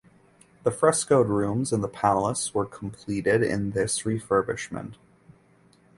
The frescoed rooms in the palace were completed in this refurbishment.